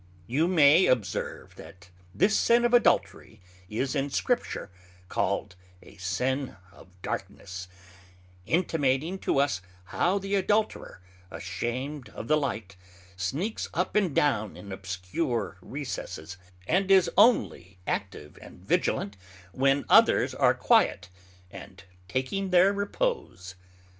You may observe, that this sin of Adultery is in Scripture called a sin of darkness; intimating to us, how the Adulterer, asham'd of the light, sneaks up and down in obscure recesses, and is onely active and vigilant when others are quiet and taking their repose.